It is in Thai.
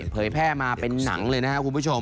เผยแพร่มาเป็นหนังเลยนะครับคุณผู้ชม